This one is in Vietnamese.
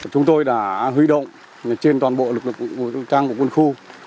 chúng tôi đã hủy động trên toàn bộ lực lực trăng của quân khu